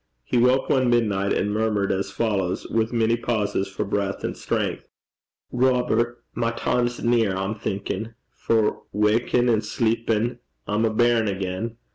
He woke one midnight, and murmured as follows, with many pauses for breath and strength: 'Robert, my time's near, I'm thinkin'; for, wakin' an' sleepin', I'm a bairn again.